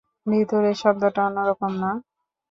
ভেতরের শব্দটা অন্যরকম না?